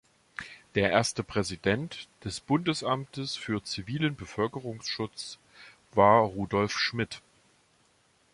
Der erste Präsident des Bundesamtes für zivilen Bevölkerungsschutz war Rudolf Schmidt.